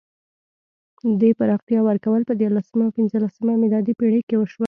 دې پراختیا ورکول په دیارلسمه او پنځلسمه میلادي پېړۍ کې وشوه.